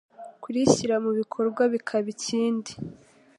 kurishyira mu bikorwa bikaba ikindi